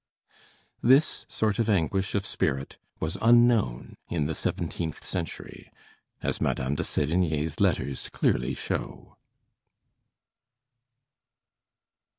This sort of anguish of spirit was unknown in the seventeenth century, as Madame de Sévigné's letters clearly show.